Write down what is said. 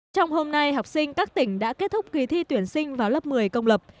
trong hôm nay học sinh các tỉnh đã kết thúc kỳ thi tuyển sinh vào lớp một mươi công lập